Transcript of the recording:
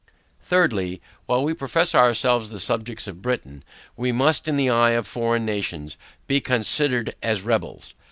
THIRDLY While we profess ourselves the subjects of Britain, we must, in the eye of foreign nations, be considered as rebels.